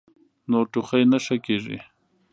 نو ټوخی نۀ ښۀ کيږي -